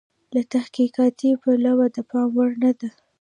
له تحقیقاتي پلوه د پام وړ نه ده.